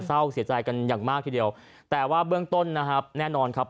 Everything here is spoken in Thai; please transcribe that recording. เศร้าเสียใจกันอย่างมากทีเดียวแต่ว่าเบื้องต้นนะครับแน่นอนครับ